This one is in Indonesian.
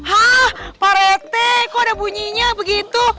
hah parete kok ada bunyinya begitu